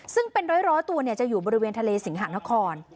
ซึ่งเป็นร้อยตัวจะอยู่บริเวณทะเลสิงหานคร